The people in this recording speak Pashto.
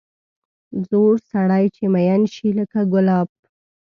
زوړ سړی چې مېن شي لکه ګلاب.